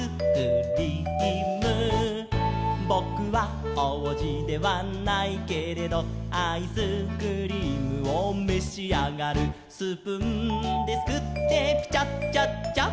「ぼくはおうじではないけれど」「アイスクリームをめしあがる」「スプーンですくってピチャチャッチャッ」